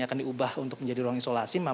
akan diubah untuk menjadi ruang isolasi